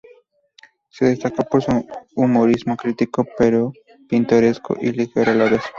Se destacó por su humorismo crítico, pero pintoresco y ligero a la vez.